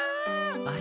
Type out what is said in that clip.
あれ？